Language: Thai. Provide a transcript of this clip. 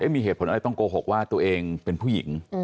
มีเหตุผลอะไรต้องโกหกว่าตัวเองเป็นผู้หญิง